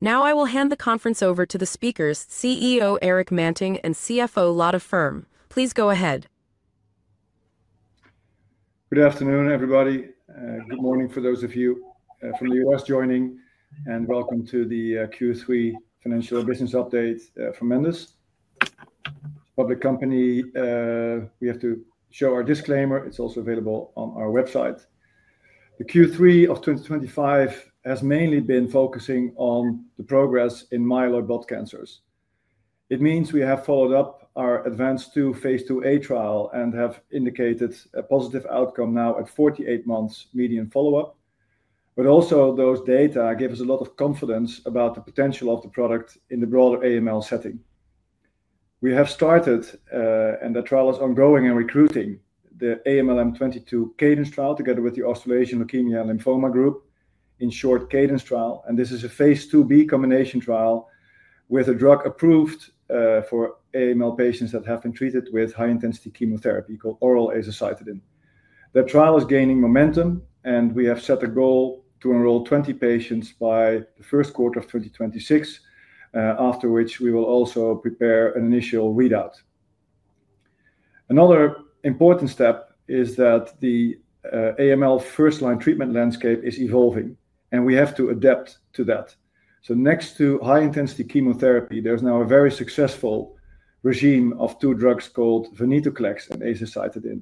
Now I will hand the conference over to the speakers, CEO Erik Manting and CFO Lotta Ferm. Please go ahead. Good afternoon, everybody. Good morning for those of you from the U.S. joining, and welcome to the Q3 Financial and Business Update from Mendus. It's a public company. We have to show our disclaimer. It's also available on our website. The Q3 of 2025 has mainly been focusing on the progress in myeloid blood cancers. It means we have followed up our ADVANCE II Phase IIa trial and have indicated a positive outcome now at 48 months median follow-up. Also, those data give us a lot of confidence about the potential of the product in the broader AML setting. We have started, and that trial is ongoing, and recruiting the AMLM22 Cadence trial together with the Australasian Leukemia Lymphoma Group; in short, Cadence trial. This is a Phase IIb combination trial with a drug approved for AML patients that have been treated with high-intensity chemotherapy called oral azacitidine. That trial is gaining momentum, and we have set a goal to enroll 20 patients by the first quarter of 2026, after which we will also prepare an initial readout. Another important step is that the AML first-line treatment landscape is evolving, and we have to adapt to that. Next to high-intensity chemotherapy, there is now a very successful regime of two drugs called venetoclax and azacitidine,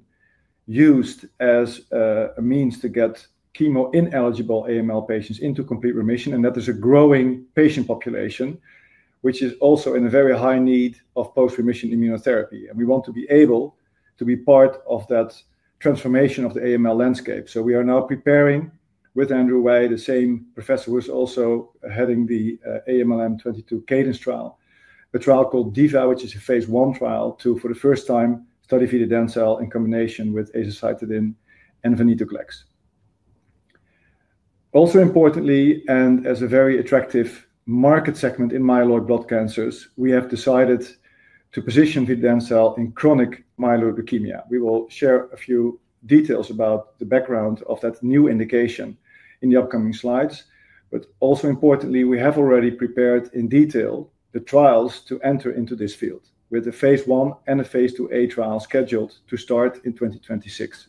used as a means to get chemo-ineligible AML patients into complete remission. That is a growing patient population, which is also in a very high need of post-remission immunotherapy. We want to be able to be part of that transformation of the AML landscape. We are now preparing, with Andrew Wei, the same professor who is also heading the AMLM22 Cadence trial, a trial called DEVA, which is a Phase I trial to, for the first time, study vididencel in combination with azacitidine and venetoclax. Also importantly, and as a very attractive market segment in myeloid blood cancers, we have decided to position vididencel in chronic myeloid leukemia. We will share a few details about the background of that new indication in the upcoming slides. Also importantly, we have already prepared in detail the trials to enter into this field, with a Phase I and a Phase IIa trial scheduled to start in 2026.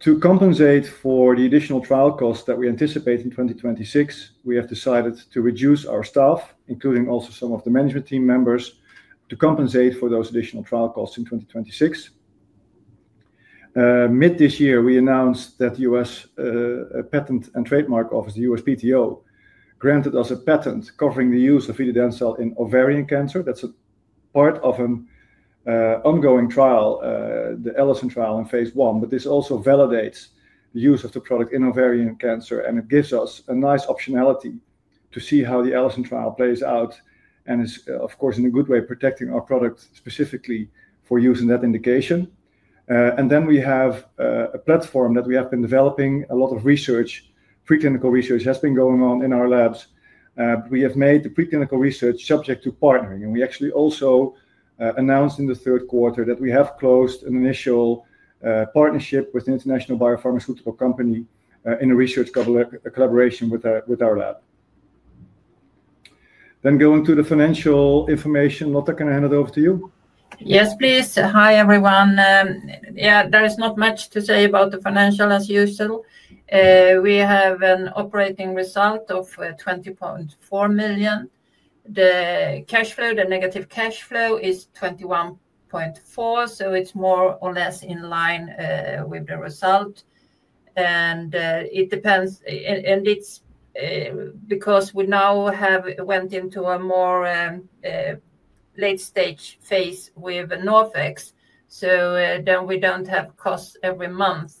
To compensate for the additional trial costs that we anticipate in 2026, we have decided to reduce our staff, including also some of the management team members, to compensate for those additional trial costs in 2026. Mid this year, we announced that the U.S. Patent and Trademark Office, the USPTO, granted us a patent covering the use of vididencel in ovarian cancer. That is a part of an ongoing trial, the ELLISON trial in Phase I. This also validates the use of the product in ovarian cancer, and it gives us a nice optionality to see how the ELLISON trial plays out and is, of course, in a good way protecting our product specifically for use in that indication. We have a platform that we have been developing. A lot of research, preclinical research, has been going on in our labs. We have made the preclinical research subject to partnering. We actually also announced in the third quarter that we have closed an initial partnership with an international biopharmaceutical company in a research collaboration with our lab. Going to the financial information, Lotta, can I hand it over to you? Yes, please. Hi, everyone. Yeah, there is not much to say about the financial, as usual. We have an operating result of 20.4 million. The cash flow, the negative cash flow, is 21.4 million, so it is more or less in line with the result. It depends, and it is because we now have went into a more late-stage Phase with NorthX Biologics, so we do not have costs every month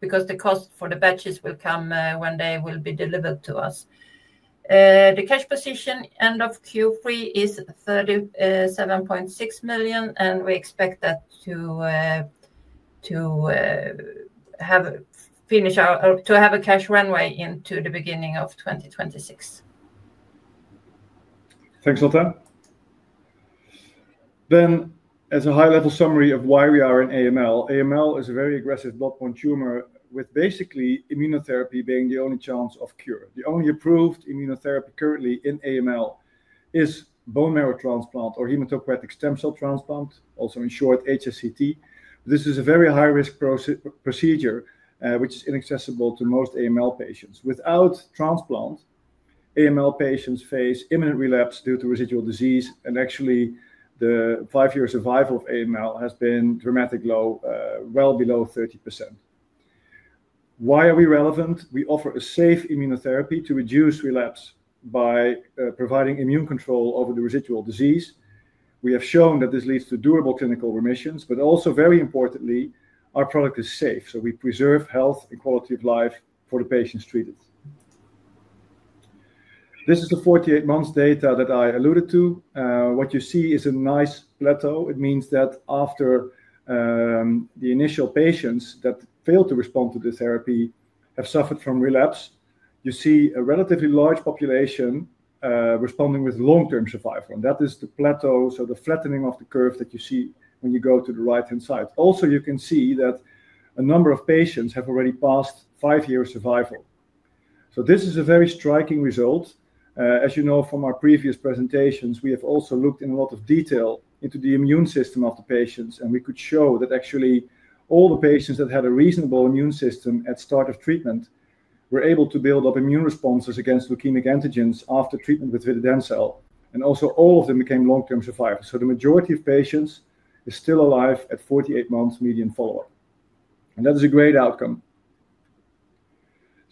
because the cost for the batches will come when they will be delivered to us. The cash position end of Q3 is 37.6 million, and we expect that to have finished to have a cash runway into the beginning of 2026. Thanks, Lotta. As a high-level summary of why we are in AML, AML is a very aggressive blood-borne tumor, with basically immunotherapy being the only chance of cure. The only approved immunotherapy currently in AML is bone marrow transplant, or hematopoietic stem cell transplant, also in short, HSCT. This is a very high-risk procedure, which is inaccessible to most AML patients. Without transplant, AML patients face imminent relapse due to residual disease, and actually, the five-year survival of AML has been dramatically low, well below 30%. Why are we relevant? We offer a safe immunotherapy to reduce relapse by providing immune control over the residual disease. We have shown that this leads to durable clinical remissions, but also, very importantly, our product is safe, so we preserve health and quality of life for the patients treated. This is the 48-month data that I alluded to. What you see is a nice plateau. It means that after the initial patients that failed to respond to the therapy have suffered from relapse, you see a relatively large population responding with long-term survival. That is the plateau, the flattening of the curve that you see when you go to the right-hand side. Also, you can see that a number of patients have already passed five-year survival. This is a very striking result. As you know from our previous presentations, we have also looked in a lot of detail into the immune system of the patients, and we could show that actually all the patients that had a reasonable immune system at the start of treatment were able to build up immune responses against leukemic antigens after treatment with vididencel. Also, all of them became long-term survivors. The majority of patients are still alive at 48-month median follow-up. That is a great outcome.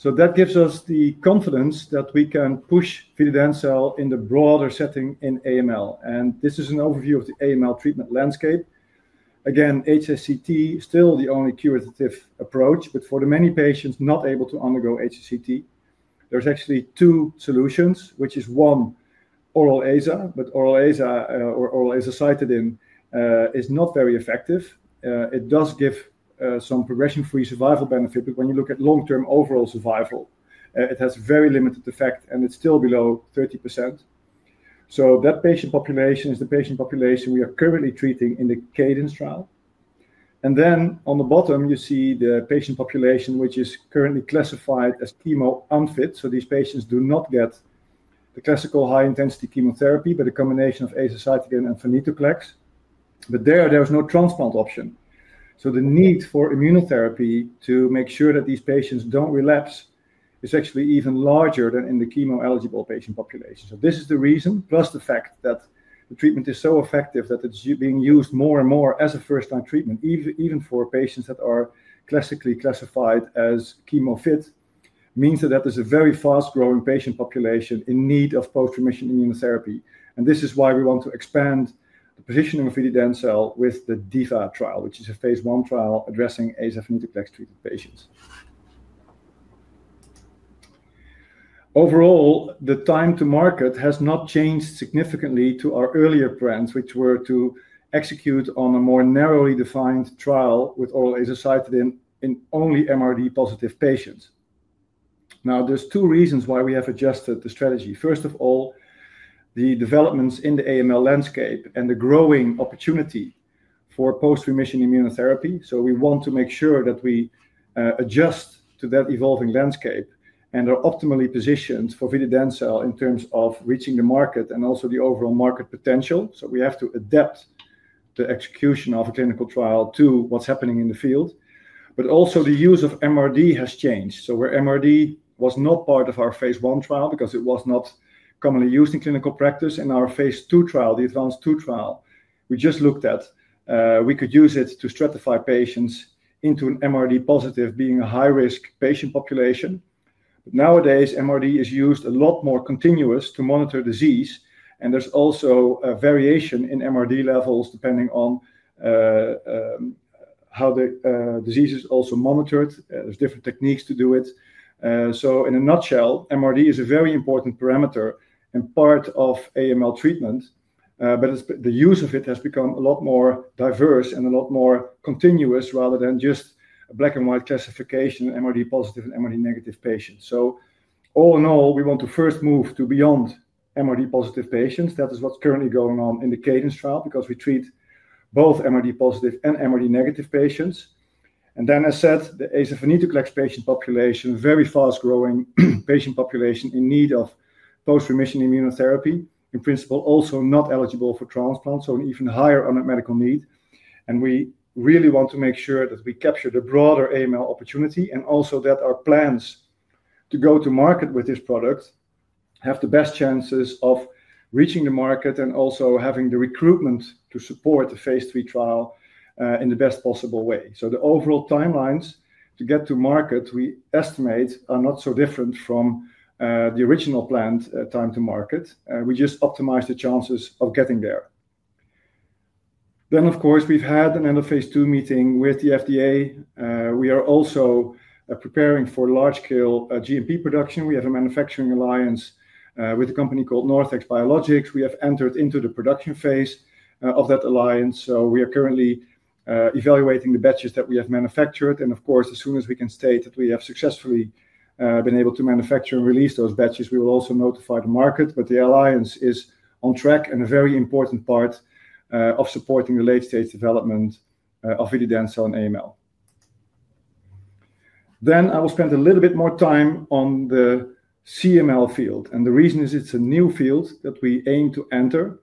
That gives us the confidence that we can push vididencel in the broader setting in AML. This is an overview of the AML treatment landscape. Again, HSCT is still the only curative approach, but for the many patients not able to undergo HSCT, there are actually two solutions, which is one, oral AZA, but oral AZA or oral azacitidine is not very effective. It does give some progression-free survival benefit, but when you look at long-term overall survival, it has very limited effect, and it is still below 30%. That patient population is the patient population we are currently treating in the Cadence trial. On the bottom, you see the patient population, which is currently classified as chemo-unfit. These patients do not get the classical high-intensity chemotherapy but a combination of azacitidine and venetoclax. There is no transplant option. The need for immunotherapy to make sure that these patients do not relapse is actually even larger than in the chemo-eligible patient population. This is the reason, plus the fact that the treatment is so effective that it is being used more and more as a first-line treatment, even for patients that are classically classified as chemo-fit, which means that is a very fast-growing patient population in need of post-remission immunotherapy. This is why we want to expand the positioning of vididencel with the DEVA trial, which is a Phase I trial addressing azacitidine-venetoclax-treated patients. Overall, the time to market has not changed significantly to our earlier plans, which were to execute on a more narrowly defined trial with oral azacitidine in only MRD-positive patients. Now, there's two reasons why we have adjusted the strategy. First of all, the developments in the AML landscape and the growing opportunity for post-remission immunotherapy. We want to make sure that we adjust to that evolving landscape and are optimally positioned for vididencel in terms of reaching the market and also the overall market potential. We have to adapt the execution of a clinical trial to what's happening in the field. Also, the use of MRD has changed. Where MRD was not part of our Phase I trial because it was not commonly used in clinical practice, in our Phase II trial, the ADVANCE II trial, we just looked at, we could use it to stratify patients into an MRD-positive, being a high-risk patient population. Nowadays, MRD is used a lot more continuously to monitor disease, and there's also a variation in MRD levels depending on how the disease is also monitored. There are different techniques to do it. In a nutshell, MRD is a very important parameter and part of AML treatment, but the use of it has become a lot more diverse and a lot more continuous rather than just a black-and-white classification of MRD-positive and MRD-negative patients. All in all, we want to first move to beyond MRD-positive patients. That is what's currently going on in the Cadence trial because we treat both MRD-positive and MRD-negative patients. As said, the azacitidine-venetoclax patient population, very fast-growing patient population in need of post-remission immunotherapy, in principle, also not eligible for transplant, so an even higher unmet medical need. We really want to make sure that we capture the broader AML opportunity and also that our plans to go to market with this product have the best chances of reaching the market and also having the recruitment to support the Phase III trial in the best possible way. The overall timelines to get to market, we estimate, are not so different from the original planned time to market. We just optimize the chances of getting there. Of course, we've had an end-of-Phase II meeting with the FDA. We are also preparing for large-scale GMP production. We have a manufacturing alliance with a company called NorthX Biologics. We have entered into the production Phase of that alliance, so we are currently evaluating the batches that we have manufactured. Of course, as soon as we can state that we have successfully been able to manufacture and release those batches, we will also notify the market. The alliance is on track and a very important part of supporting the late-stage development of vididencel in AML. I will spend a little bit more time on the CML field. The reason is it's a new field that we aim to enter.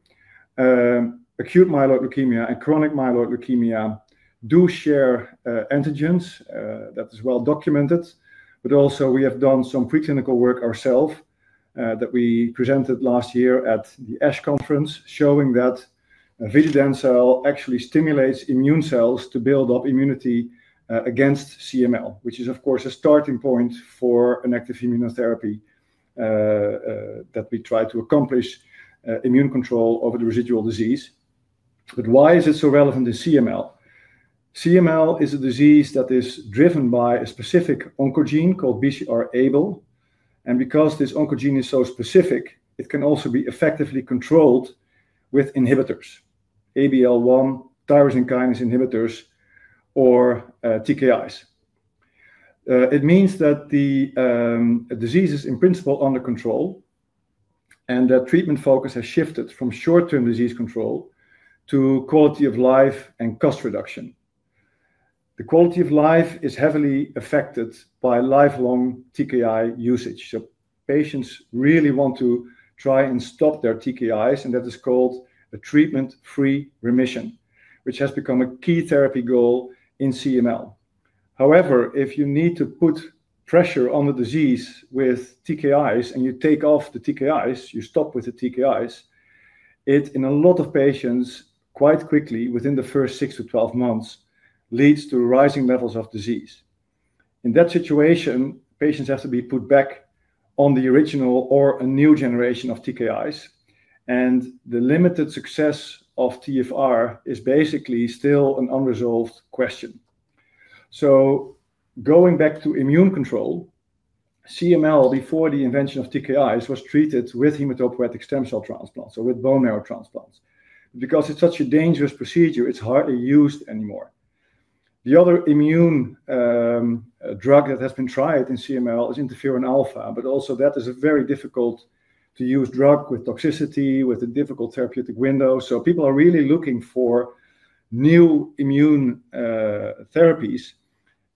Acute myeloid leukemia and chronic myeloid leukemia do share antigens. That is well documented. We have done some preclinical work ourselves that we presented last year at the ESH conference, showing that vididencel actually stimulates immune cells to build up immunity against CML, which is, of course, a starting point for an active immunotherapy that we try to accomplish immune control over the residual disease. Why is it so relevant in CML? CML is a disease that is driven by a specific oncogene called BCR-ABL. Because this oncogene is so specific, it can also be effectively controlled with inhibitors, ABL1, tyrosine kinase inhibitors, or TKIs. It means that the disease is, in principle, under control and that treatment focus has shifted from short-term disease control to quality of life and cost reduction. The quality of life is heavily affected by lifelong TKI usage. Patients really want to try and stop their TKIs, and that is called a treatment-free remission, which has become a key therapy goal in CML. However, if you need to put pressure on the disease with TKIs and you take off the TKIs, you stop with the TKIs; it, in a lot of patients, quite quickly, within the first 6-12 months, leads to rising levels of disease. In that situation, patients have to be put back on the original or a new generation of TKIs, and the limited success of TFR is basically still an unresolved question. Going back to immune control, CML, before the invention of TKIs, was treated with hematopoietic stem cell transplants, so with bone marrow transplants. Because it's such a dangerous procedure, it's hardly used anymore. The other immune drug that has been tried in CML is interferon alpha, but also that is a very difficult-to-use drug with toxicity, with a difficult therapeutic window. People are really looking for new immune therapies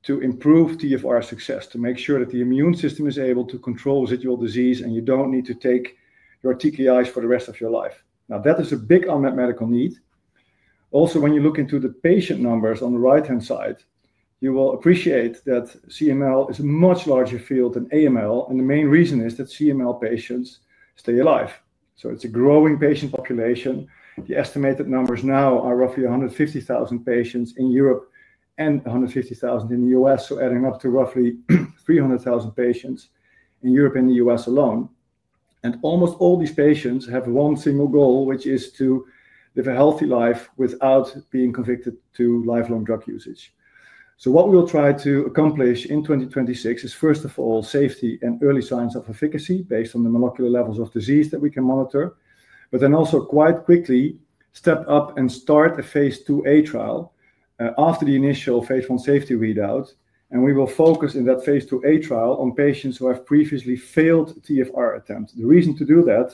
to improve TFR success, to make sure that the immune system is able to control residual disease and you don't need to take your TKIs for the rest of your life. That is a big unmet medical need. Also, when you look into the patient numbers on the right-hand side, you will appreciate that CML is a much larger field than AML, and the main reason is that CML patients stay alive. It is a growing patient population. The estimated numbers now are roughly 150,000 patients in Europe and 150,000 in the U.S., adding up to roughly 300,000 patients in Europe and the U.S. alone. Almost all these patients have one single goal, which is to live a healthy life without being convicted to lifelong drug usage. What we will try to accomplish in 2026 is, first of all, safety and early signs of efficacy based on the molecular levels of disease that we can monitor, but then also quite quickly step up and start a PPhase IIa trial after the initial Phase I safety readout. We will focus in that Phase IIa trial on patients who have previously failed TFR attempts. The reason to do that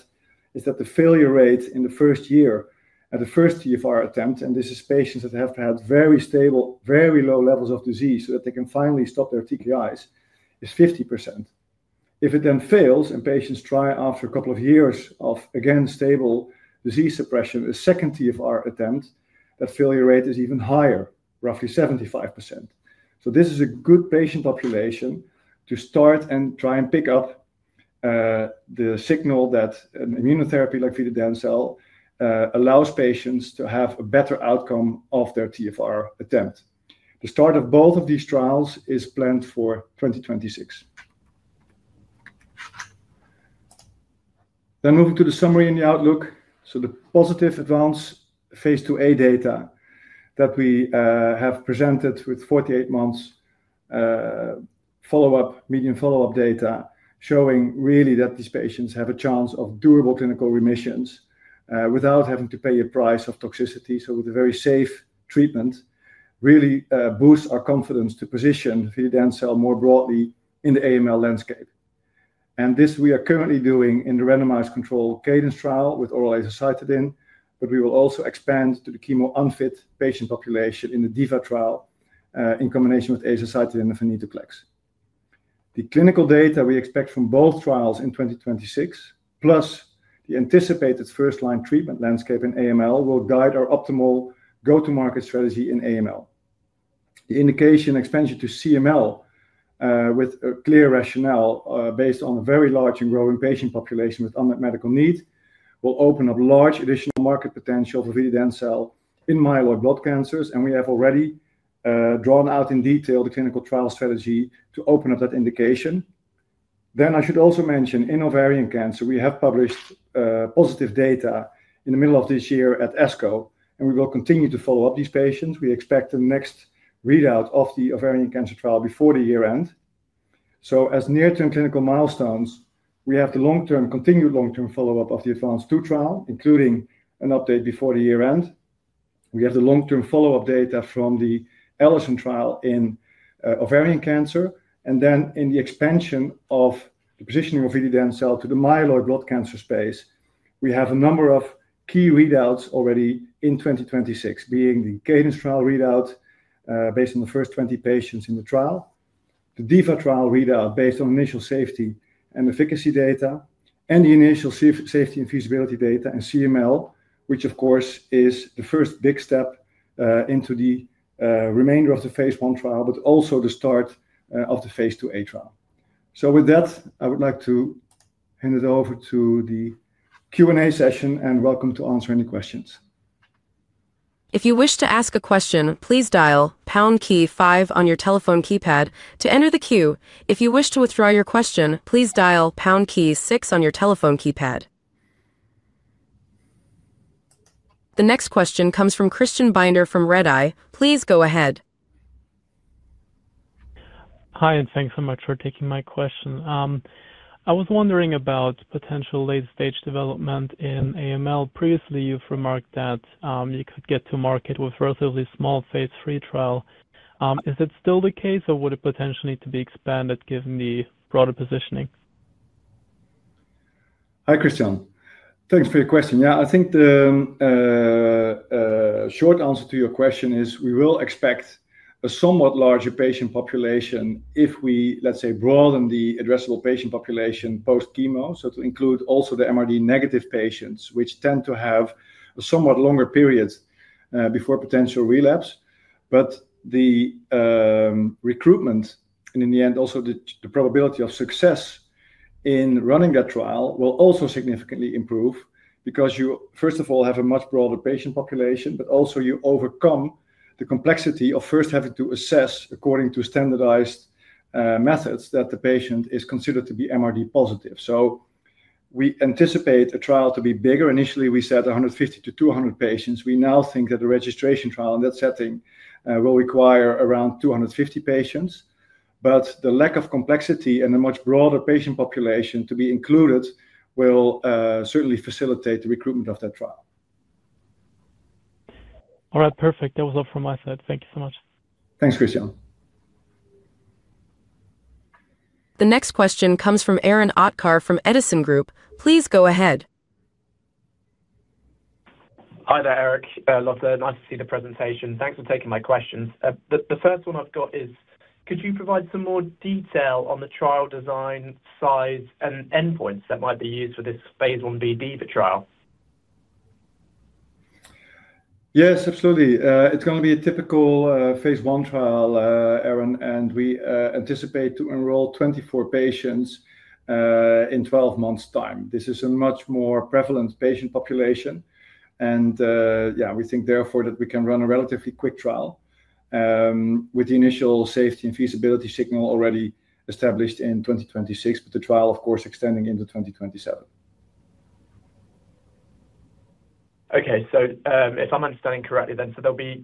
is that the failure rate in the first year at the first TFR attempt, and this is patients that have had very stable, very low levels of disease so that they can finally stop their TKIs, is 50%. If it then fails and patients try after a couple of years of, again, stable disease suppression, a second TFR attempt, that failure rate is even higher, roughly 75%. This is a good patient population to start and try and pick up the signal that an immunotherapy like vididencel allows patients to have a better outcome of their TFR attempt. The start of both of these trials is planned for 2026. Moving to the summary in the outlook. The positive ADVANCE II Phase IIa data that we have presented with 48-month median follow-up data showing really that these patients have a chance of durable clinical remissions without having to pay a price of toxicity, so with a very safe treatment, really boosts our confidence to position vididencel more broadly in the AML landscape. This we are currently doing in the randomized control Cadence trial with oral azacitidine, but we will also expand to the chemo-unfit patient population in the DEVA trial in combination with azacitidine and venetoclax. The clinical data we expect from both trials in 2026, plus the anticipated first-line treatment landscape in AML, will guide our optimal go-to-market strategy in AML. The indication expansion to CML with a clear rationale based on a very large and growing patient population with unmet medical need will open up large additional market potential for vididencel in myeloid blood cancers, and we have already drawn out in detail the clinical trial strategy to open up that indication. I should also mention in ovarian cancer, we have published positive data in the middle of this year at ESCO, and we will continue to follow up these patients. We expect the next readout of the ovarian cancer trial before the year end. As near-term clinical milestones, we have the continued long-term follow-up of the ADVANCE II trial, including an update before the year end. We have the long-term follow-up data from the ELLISON trial in ovarian cancer, and then in the expansion of the positioning of vididencel to the myeloid blood cancer space, we have a number of key readouts already in 2026, being the Cadence trial readout based on the first 20 patients in the trial, the DEVA trial readout based on initial safety and efficacy data, and the initial safety and feasibility data in CML, which, of course, is the first big step into the remainder of the Phase I trial, but also the start of the Phase IIa trial. With that, I would like to hand it over to the Q&A session and welcome to answer any questions. If you wish to ask a question, please dial pound key five on your telephone keypad to enter the queue. If you wish to withdraw your question, please dial pound key six on your telephone keypad. The next question comes from Christian Binder from Redeye. Please go ahead. Hi, and thanks so much for taking my question. I was wondering about potential late-stage development in AML. Previously, you've remarked that you could get to market with a relatively small Phase III trial. Is that still the case, or would it potentially need to be expanded given the broader positioning? Hi, Christian. Thanks for your question. Yeah, I think the short answer to your question is we will expect a somewhat larger patient population if we, let's say, broaden the addressable patient population post-chemo, so to include also the MRD-negative patients, which tend to have a somewhat longer period before potential relapse. The recruitment and, in the end, also the probability of success in running that trial will also significantly improve because you, first of all, have a much broader patient population, but also you overcome the complexity of first having to assess according to standardized methods that the patient is considered to be MRD-positive. We anticipate a trial to be bigger. Initially, we said 150-200 patients. We now think that the registration trial in that setting will require around 250 patients, but the lack of complexity and a much broader patient population to be included will certainly facilitate the recruitment of that trial. All right, perfect. That was all from my side. Thank you so much. Thanks, Christian. The next question comes from Aaron Aatkar from Edison Group. Please go ahead. Hi there, Erik. Lotta, nice to see the presentation. Thanks for taking my questions. The first one I've got is, could you provide some more detail on the trial design size and endpoints that might be used for this Phase Ib-DEVA trial? Yes, absolutely. It's going to be a typical Phase I trial, Aaron, and we anticipate to enroll 24 patients in 12 months' time. This is a much more prevalent patient population, and yeah, we think, therefore, that we can run a relatively quick trial with the initial safety and feasibility signal already established in 2026, but the trial, of course, extending into 2027. Okay, if I'm understanding correctly, then, there'll be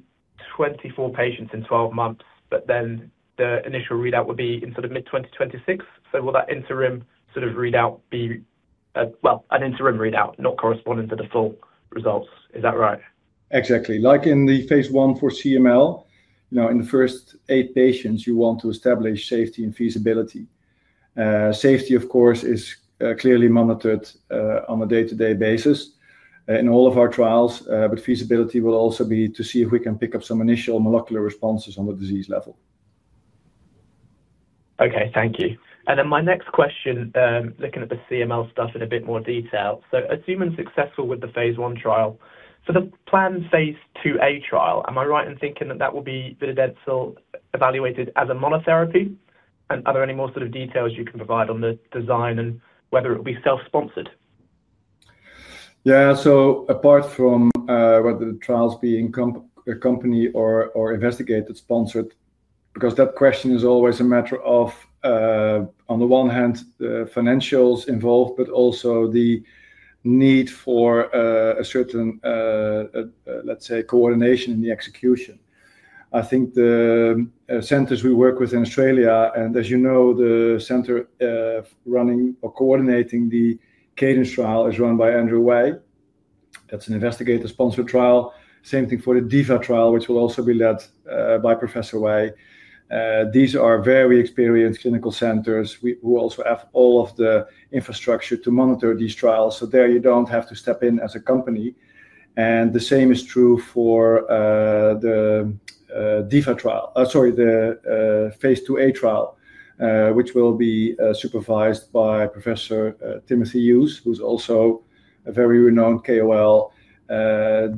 24 patients in 12 months, but then the initial readout would be in sort of mid-2026. Will that interim sort of readout be, well, an interim readout, not corresponding to the full results? Is that right? Exactly. Like in the Phase I for CML, in the first eight patients, you want to establish safety and feasibility. Safety, of course, is clearly monitored on a day-to-day basis in all of our trials, but feasibility will also be to see if we can pick up some initial molecular responses on the disease level. Okay, thank you. My next question, looking at the CML stuff in a bit more detail. Assuming successful with the Phase I trial, for the planned Phase IIa trial, am I right in thinking that that will be vididencel evaluated as a monotherapy? Are there any more sort of details you can provide on the design and whether it will be self-sponsored? Yeah, so apart from whether the trial's being accompanied or investigated, sponsored, because that question is always a matter of, on the one hand, the financials involved, but also the need for a certain, let's say, coordination in the execution. I think the centers we work with in Australia, and as you know, the center running or coordinating the Cadence trial is run by Andrew Wei. That's an investigator-sponsored trial. Same thing for the DEVA trial, which will also be led by Professor Wei. These are very experienced clinical centers who also have all of the infrastructure to monitor these trials. There you don't have to step in as a company. The same is true for the DEVA trial, sorry, the Phase IIa trial, which will be supervised by Professor Timothy Hughes, who's also a very renowned KOL.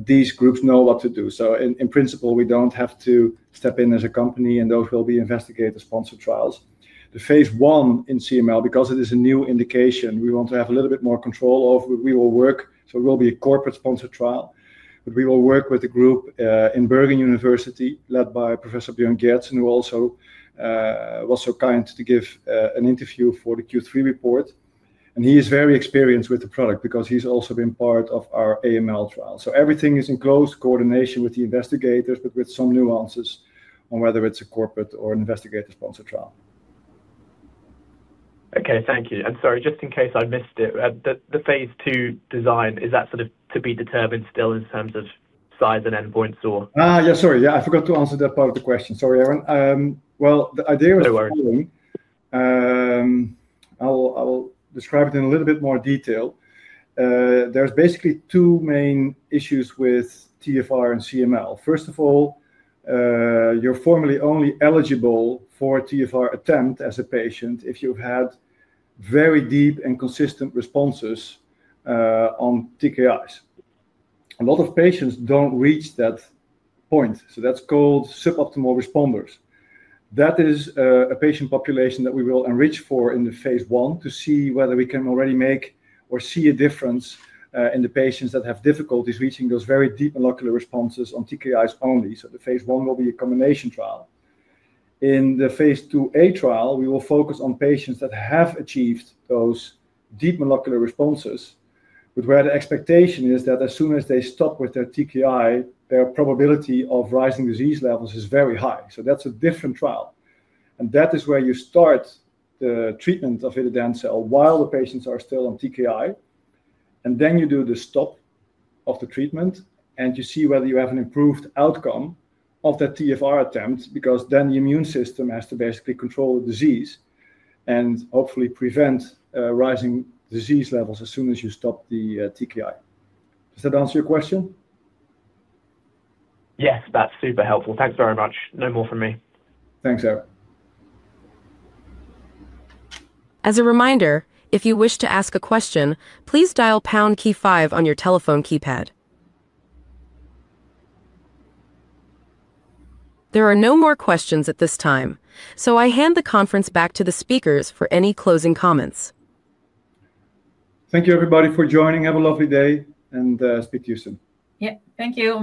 These groups know what to do. In principle, we don't have to step in as a company, and those will be investigator-sponsored trials. The Phase I in CML, because it is a new indication, we want to have a little bit more control of. We will work, so it will be a corporate-sponsored trial, but we will work with the group in Bergen University led by Professor Björn Gersten, who also was so kind to give an interview for the Q3 report. He is very experienced with the product because he's also been part of our AML trial. Everything is in close coordination with the investigators, but with some nuances on whether it's a corporate or an investigator-sponsored trial. Okay, thank you. Sorry, just in case I missed it, the Phase II design, is that sort of to be determined still in terms of size and endpoints or? Yeah, sorry. Yeah, I forgot to answer that part of the question. Sorry, Aaron. The idea is, no worries. I'll describe it in a little bit more detail. There's basically two main issues with TFR in CML. First of all, you're formally only eligible for a TFR attempt as a patient if you've had very deep and consistent responses on TKIs. A lot of patients don't reach that point, so that's called suboptimal responders. That is a patient population that we will enrich for in the Phase I to see whether we can already make or see a difference in the patients that have difficulties reaching those very deep molecular responses on TKIs only. The Phase I will be a combination trial. In the Phase IIa trial, we will focus on patients that have achieved those deep molecular responses, but where the expectation is that as soon as they stop with their TKI, their probability of rising disease levels is very high. That is a different trial. That is where you start the treatment of vididencel while the patients are still on TKI, and then you do the stop of the treatment, and you see whether you have an improved outcome of that TFR attempt because then the immune system has to basically control the disease and hopefully prevent rising disease levels as soon as you stop the TKI. Does that answer your question? Yes, that's super helpful. Thanks very much. No more from me. Thanks, Erik. As a reminder, if you wish to ask a question, please dial pound key five on your telephone keypad. There are no more questions at this time, so I hand the conference back to the speakers for any closing comments. Thank you, everybody, for joining. Have a lovely day, and speak to you soon. Yep, thank you.